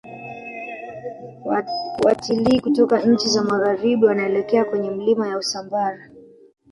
Watilii kutoka nchi za magharibi wanaelekea kwenye milima ya usambara